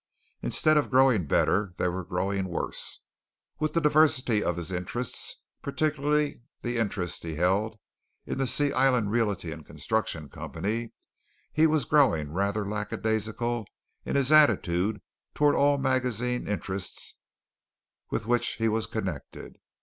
Instead of growing better, they were growing worse. With the diversity of his interests, particularly the interest he held in the Sea Island Realty and Construction Company, he was growing rather lackadaisical in his attitude toward all magazine interests with which he was connected.